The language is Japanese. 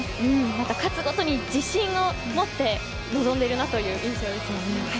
また勝つごとに自信を持って臨んでいるという印象です。